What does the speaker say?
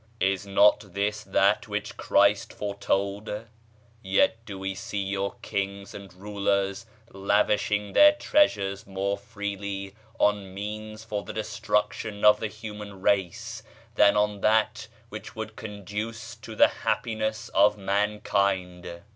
Is not this that which Christ foretold?... Yet do we see your kings and rulers lavishing their treasures more freely on means for the destruction of the human race than on that which would conduce to the happiness of mankind....